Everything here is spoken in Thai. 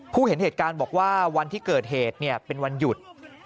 เห็นเหตุการณ์บอกว่าวันที่เกิดเหตุเป็นวันหยุด